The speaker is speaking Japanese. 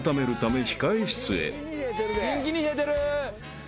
キンキンに冷えてる。